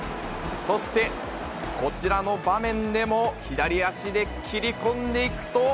そして、こちらの場面でも、左足で切り込んでいくと。